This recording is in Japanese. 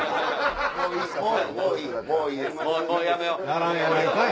もういい！